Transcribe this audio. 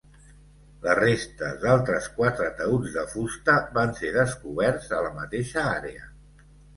Les restes d'altres quatre taüts de fusta van ser descoberts a la mateixa àrea.